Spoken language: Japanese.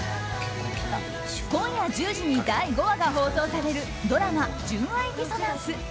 今夜１０時に第５話が放送されるドラマ「純愛ディソナンス」。